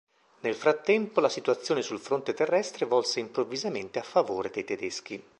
Nel frattempo, la situazione sul fronte terrestre volse improvvisamente a favore dei tedeschi.